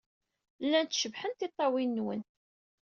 Llant cebḥent tiṭṭawin-nwen.